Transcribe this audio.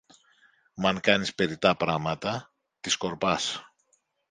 Μ' αν κάνεις περιττά πράματα, τη σκορπάς.